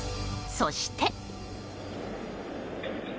そして。